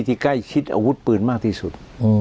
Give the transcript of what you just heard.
ที่ใกล้ชิดอาวุธปืนมากที่สุด